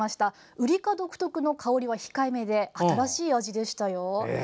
ウリ科独特の香りは控えめで新しい味でした。